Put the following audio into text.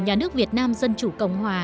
nhà nước việt nam dân chủ cộng hòa